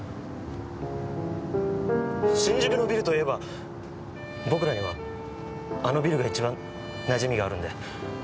新宿のビルと言えば僕らにはあのビルが一番なじみがあるんで。